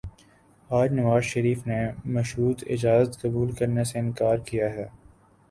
آج نواز شریف نے مشروط اجازت قبول کرنے سے انکار کیا ہے۔